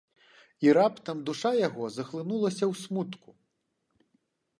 І раптам душа яго захлынулася ў смутку.